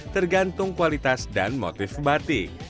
tergantung kualitas dan motif batik